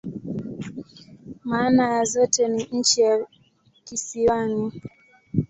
Maana ya zote ni "nchi ya kisiwani.